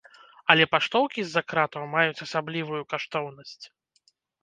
Але паштоўкі з-за кратаў маюць асаблівую каштоўнасць.